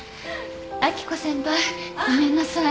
明子先輩ごめんなさい。